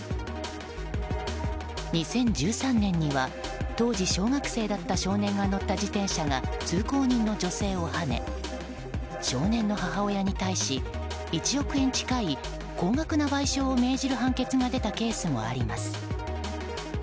２０１３年には当時、小学生だった少年が乗った自転車が通行人の女性をはね少年の母親に対し１億円近い高額な賠償を命じる判決が出たケースもあります。